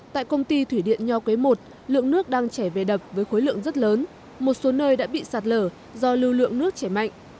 tại công ty thủy điện nho quế i lượng nước đang chảy về đập với khối lượng rất lớn một số nơi đã bị sạt lở do lưu lượng nước chảy mạnh